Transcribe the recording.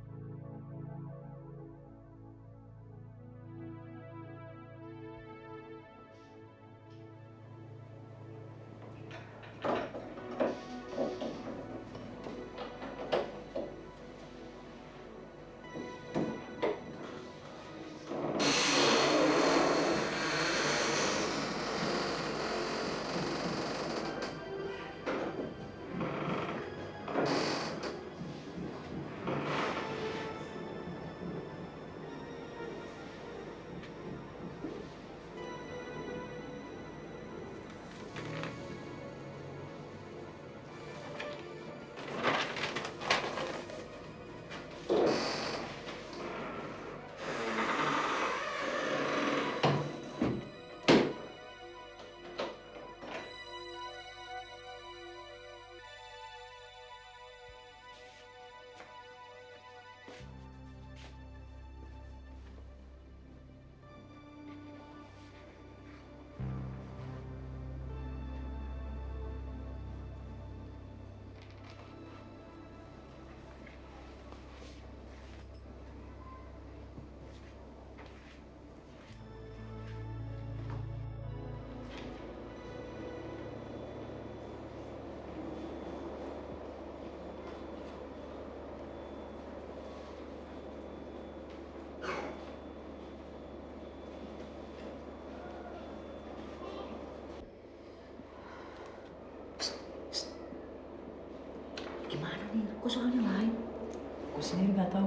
pak asani mesti ingin menceritakan sesuatu